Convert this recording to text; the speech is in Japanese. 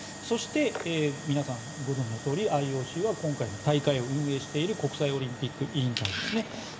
そして、皆さんご存じのとおりＩＯＣは大会を運営している国際オリンピック委員会ですね。